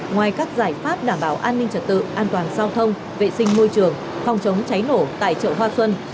ngoài các giải pháp đảm bảo an ninh trật tự an toàn giao thông vệ sinh môi trường phòng chống cháy nổ tại chợ hoa xuân